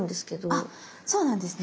あそうなんですね。